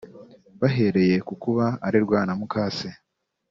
bahereye ku kuba arerwa na mukase